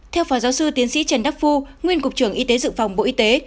theo phó giáo sư tiến sĩ trần đắc phu nguyên cục trưởng y tế dự phòng bộ y tế